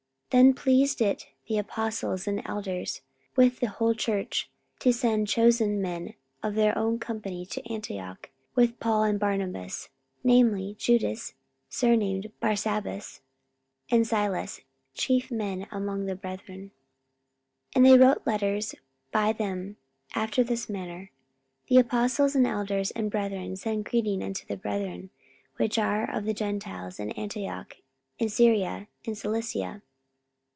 44:015:022 Then pleased it the apostles and elders with the whole church, to send chosen men of their own company to Antioch with Paul and Barnabas; namely, Judas surnamed Barsabas and Silas, chief men among the brethren: 44:015:023 And they wrote letters by them after this manner; The apostles and elders and brethren send greeting unto the brethren which are of the Gentiles in Antioch and Syria and Cilicia.